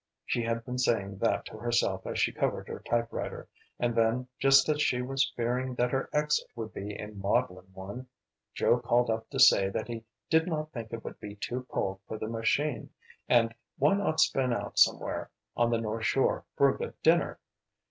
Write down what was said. she had been saying that to herself as she covered her typewriter, and then, just as she was fearing that her exit would be a maudlin one, Joe called up to say that he did not think it would be too cold for the machine, and why not spin out somewhere on the North Shore for a good dinner?